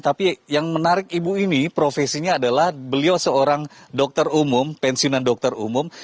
tapi yang menarik ibu ini profesinya adalah beliau seorang dokter umum pensiunan dokter umum